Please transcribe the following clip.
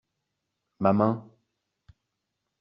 Ma main.